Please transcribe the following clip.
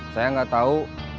saya gak tau